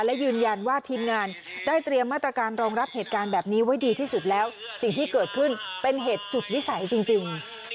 และยืนยันว่าทีมงานได้เตรียมมาตรการรองรับเหตุการณ์แบบนี้ไว้ดีที่สุดแล้วสิ่งที่เกิดขึ้นเป็นเหตุสุดวิสัยจริง